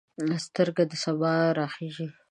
سترګه د سبا راخیژي